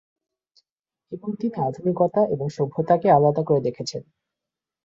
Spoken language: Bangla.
এবং তিনি আধুনিকতা এবং সভ্যতাকে আলাদা করে দেখেছেন।